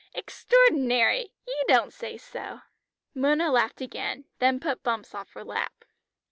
"Extraordinary! You don't say so!" Mona laughed again, then put Bumps off her lap.